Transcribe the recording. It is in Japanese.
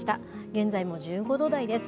現在も１５度台です。